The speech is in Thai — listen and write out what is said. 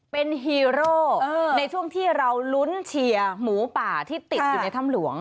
เป็นฮีโร่ในช่วงที่เราลุ้นเชียร์หมูป่าที่ติดอยู่ในถ้ำหลวง